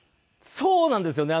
そうなんですよね。